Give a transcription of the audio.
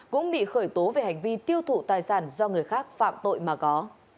cũng bị khởi tố về hành vi tiêu thụ tài sản do người khác phạm tội mà có